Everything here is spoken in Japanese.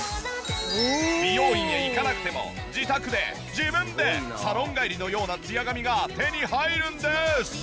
美容院へ行かなくても自宅で自分でサロン帰りのようなツヤ髪が手に入るんです。